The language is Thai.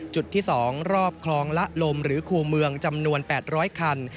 จุดที่๒รอบคลองละลมหรือคู่เมืองจำนวน๘๐๐คัน